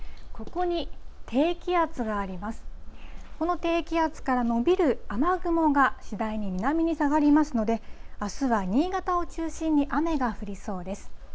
この低気圧から延びる雨雲が次第に南に下がりますので、あすは新潟を中心に雨が降りそうです。